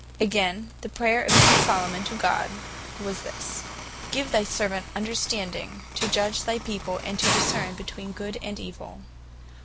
Again, the prayer of King Salomon to God, was this. (1 Kings 3. 9) "Give to thy servant understanding, to judge thy people, and to discerne between Good and Evill."